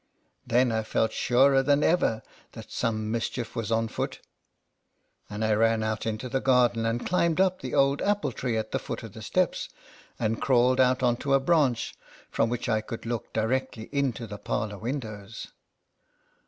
" Then I felt surer than ever that some mischief was on foot ; and I 38 LETTERS FROM A CAT. ran out into the garden, and climbed up the old apple tree at the foot of the steps, and crawled out on a branch, from which I could look directly into the parlor windows.